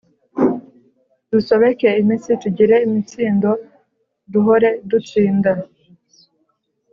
Dusobeke imitsi tugire imitsindo duhore dutsinda